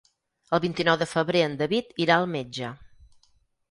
El vint-i-nou de febrer en David irà al metge.